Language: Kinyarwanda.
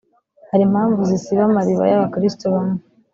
Hari impamvu zisiba amariba y’abakiristu bamwe